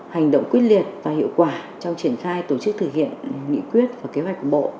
hành động quyết liệt và hiệu quả trong triển khai tổ chức thực hiện nghị quyết và kế hoạch của bộ